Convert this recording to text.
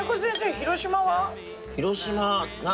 広島は？